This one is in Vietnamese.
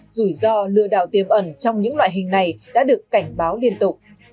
rủi ro lừa đảo tiềm ẩn trong những loại hình này đã được cảnh báo liên tục